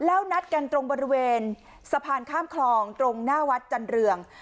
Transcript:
แล้วนัดกันตรงบริเวณสะพานข้ามคลองตรงหน้าวัดจันเรือง